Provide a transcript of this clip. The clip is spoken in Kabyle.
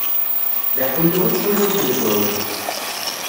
D aḥullu i ttḥullunt deg wawal.